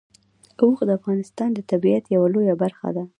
اوښ د افغانستان د طبیعت یوه لویه برخه ده.